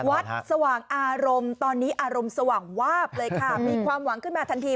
สว่างอารมณ์ตอนนี้อารมณ์สว่างวาบเลยค่ะมีความหวังขึ้นมาทันที